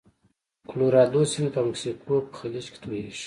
کلورادو سیند په مکسیکو په خلیج کې تویږي.